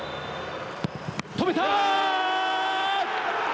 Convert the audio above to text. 止めた！